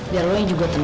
biar lo yang juga tenang